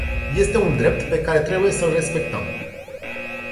Este un drept pe care trebuie să-l respectăm.